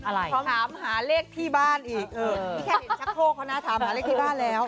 ขอถามหาเลขที่บ้านอีกเออนี่แค่เห็นชักโครกเขานะถามหาเลขที่บ้านแล้ว